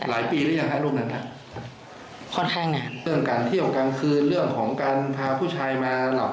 ลูกตัวทำงานนั่งก่อนหรือครับ